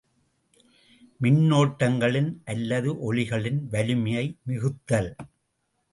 மின்னோட்டங்களின் அல்லது ஒலிகளின் வலிமையை மிகுத்தல்.